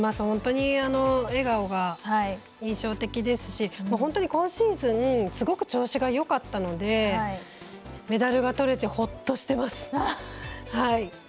本当に、笑顔が印象的ですし本当に今シーズンすごく調子がよかったのでメダルがとれてほっとしています。